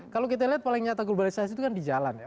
kalau kita lihat paling nyata globalisasi itu kan di jalan ya